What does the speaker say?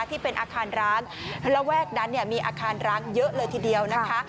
ที่เป็นอาคารร้างระแวกนั้นเนี่ยมีอาคารร้างเยอะเลยทีเดียวนะคะ